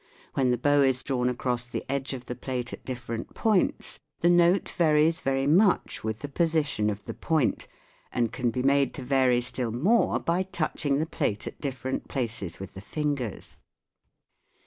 When the bow is drawn across the edge of the plate at different points the note varies very much with the position of the point, and can be made to vary still more by touching the plate at different places with the fingers.